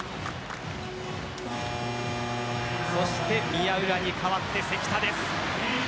そして宮浦に代わって関田です。